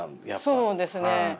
そうですね。